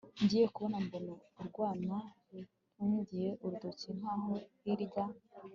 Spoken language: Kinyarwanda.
ngiye kubona mbona urwana runtungiye urutoki nkaho hirya